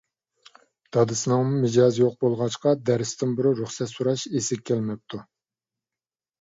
دادىسىنىڭمۇ مىجەزى يوق بولغاچقا، دەرستىن بۇرۇن رۇخسەت سوراش ئېسىگە كەلمەپتۇ.